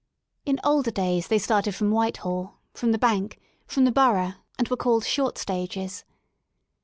In older days they started from Whitehall, from the Bank, from the Borough, and were called Short Stages.